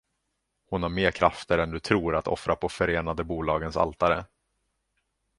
Hon har mera krafter än du tror att offra på Förenade Bolagens altare.